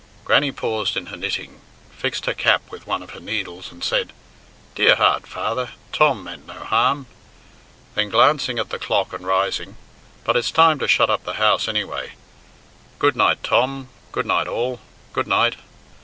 Grannie paused in her knitting, fixed her cap with one of her needles and said, "Dear heart, father! Tom meant no harm." Then, glancing at the clock and rising, "But it's time to shut up the house, anyway. Good night, Tom! Good night all! Good night!"